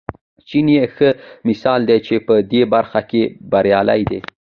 چین یې ښه مثال دی چې په دې برخه کې بریالی دی.